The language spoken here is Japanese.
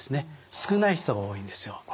少ない人が多いんですよ。